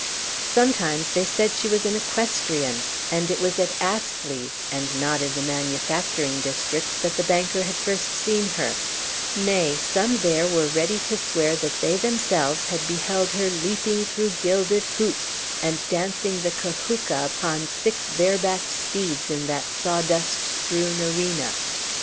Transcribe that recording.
Sometimes they said she was an equestrian, and it was at Astley's, and not in the manufacturing districts, that the banker had first seen her; nay, some there were ready to swear that they themselves had beheld her leaping through gilded hoops, and dancing the cachuca upon six barebacked steeds in that sawdust strewn arena.